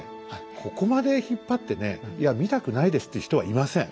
ここまで引っ張ってねいや見たくないですって人はいません。